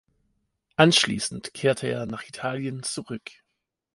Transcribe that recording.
Anschließend kehrte er nach Italien zurück.